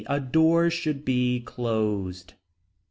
A door should be closed.